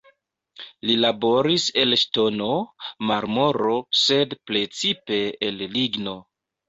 Li laboris el ŝtono, marmoro, sed precipe el ligno.